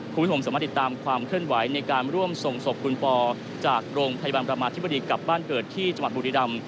คุณผู้ชมสามารถติดตามความเคลื่อนไหวในการร่วมส่งศพคุณปอจากโรงพยาบาลประมาธิบดีกลับบ้านเกิดที่จังหวัดบุรีรำ